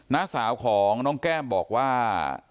น้าสาวของน้องแก้มบอกว่า